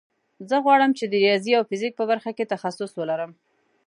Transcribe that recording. زه غواړم چې د ریاضي او فزیک په برخه کې تخصص ولرم